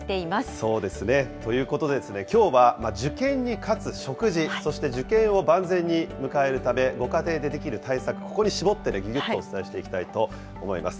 そうですね。ということで、きょうは受験に勝つ食事、そして受験を万全に迎えるため、ご家庭でできる対策、ここに絞って、ぎゅぎゅっとお伝えしていきたいと思います。